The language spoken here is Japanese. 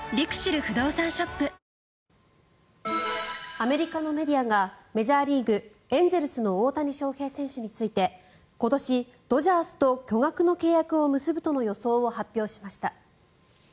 アメリカのメディアがメジャーリーグ、エンゼルスの大谷翔平選手について今年、ドジャースと巨額の契約を結ぶとの予想を発表しました。